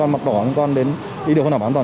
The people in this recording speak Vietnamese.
mặt đỏ liên quan đến đi được hơn nào bản toàn